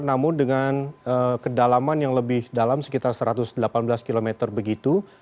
namun dengan kedalaman yang lebih dalam sekitar satu ratus delapan belas km begitu